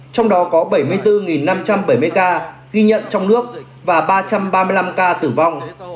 trong đó có bảy mươi bốn năm trăm bảy mươi ca ghi nhận trong nước và ba trăm ba mươi năm ca tử vong